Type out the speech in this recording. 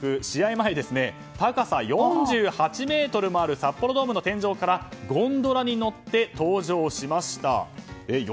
試合前に高さ４８ｍもある札幌ドームの天井からゴンドラに乗って登場しました。